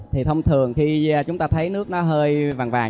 thì thông thường khi chúng ta thấy nước nó hơi vàng